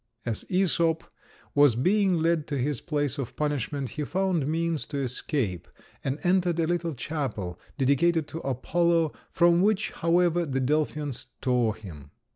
As Æsop was being led to his place of punishment, he found means to escape, and entered a little chapel dedicated to Apollo, from which, however, the Delphians tore him.